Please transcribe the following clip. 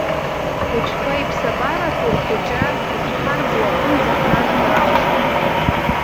Ҳхәыҷқәа иԥсабаратәу рхәыҷра рыцәҳарӡуа аҟынӡа ҳнанагар алшоит.